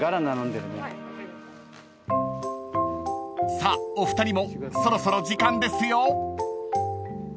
［さあお二人もそろそろ時間ですよ］